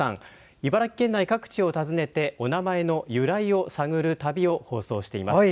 茨城県内各地を訪ねてお名前の由来を探る旅を放送しています。